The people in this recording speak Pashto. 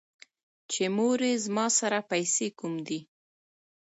چې مورې زما سره پېسې کوم دي ـ